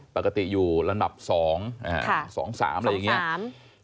ปกติอยู่ลำดับ๒๒๓อะไรอย่างนี้